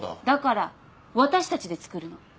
だから私たちで作るの。